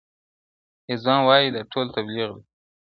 يو ځوان وايي دا ټول تبليغ دئ-